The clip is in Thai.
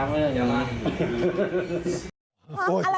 ไม่รู้สึกจะ